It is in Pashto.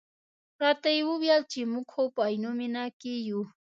راته یې وویل چې موږ خو په عینومېنه کې یو.